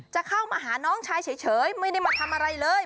จะเข้ามาหาน้องชายเฉยไม่ได้มาทำอะไรเลย